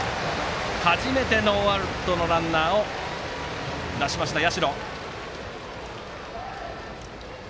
初めてノーアウトのランナーを出しました、社。